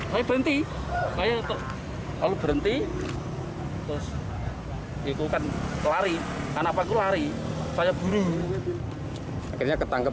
saya berhenti saya kalau berhenti terus ikutan lari anak aku lari saya buru akhirnya ketangkep